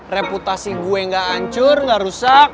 reputasi gue nggak ancur nggak rusak